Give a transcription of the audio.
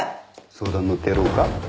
相談乗ってやろうか？